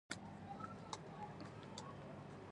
موږ درې لویې ترخې خبرې لرو: